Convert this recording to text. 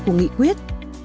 mục nghị quyết